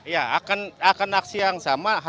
ya akan aksi yang sama